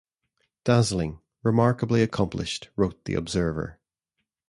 "Dazzling... remarkably accomplished," wrote "The Observer".